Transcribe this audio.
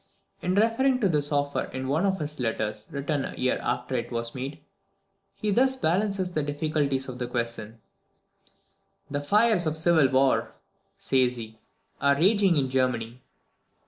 In referring to this offer in one of his letters, written a year after it was made, he thus balances the difficulties of the question "The fires of civil war," says he, "are raging in Germany.